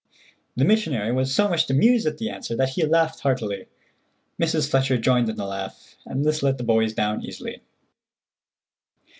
The missionary was so much amused at the answer that he laughed heartily. Mrs. Fletcher joined in the laugh, and this let the boys down easily.